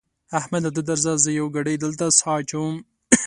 احمده ته درځه؛ زه يوه ګړۍ دلته سا اچوم.